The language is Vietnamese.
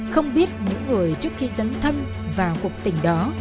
không biết những người trước khi dấn thân vào cuộc tình đó